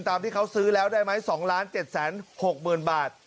ตามที่เขาซื้อแล้วได้ไหม๒๗๖๐๐๐บาท